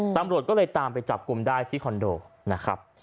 ตำรวจก็เลยตามไปจับกลุ่มได้ที่คอนโดนะครับ